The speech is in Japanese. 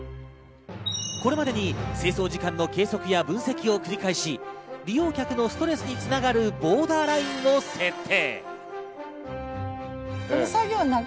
これまでに清掃時間の計測や分析を繰り返し、利用客のストレスに繋がるボーダーラインを設定。